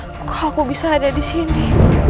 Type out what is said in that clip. aku bisa ada di sini